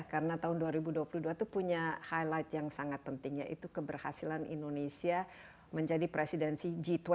karena tahun dua ribu dua puluh dua itu punya highlight yang sangat penting yaitu keberhasilan indonesia menjadi presidensi g dua puluh